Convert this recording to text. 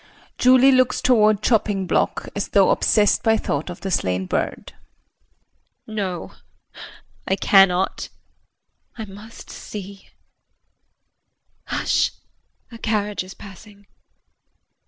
JULIE [Looks toward chopping block as though obsessed by thought of the slain bird]. No, I cannot. I must see hush, a carriage is passing.